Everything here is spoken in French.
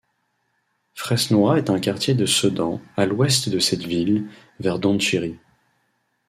Fresnois est un quartier de Sedan, à l'ouest de cette ville, vers Donchery.